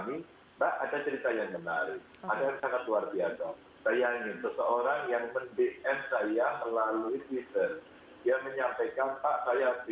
itu menyampaikan kepada kami